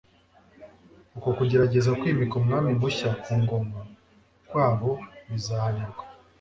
uko kugerageza kwimika umwami mushya ku ngoma kwa bo bizahanirwa.